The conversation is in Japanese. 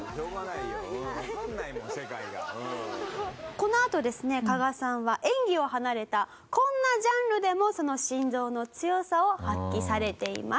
このあとですね加賀さんは演技を離れたこんなジャンルでもその心臓の強さを発揮されています。